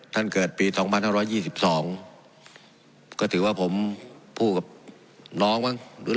ท่านเกิดปีสองพันห้าร้อยยี่สิบสองก็ถือว่าผมพูดกับน้องบ้างหรือ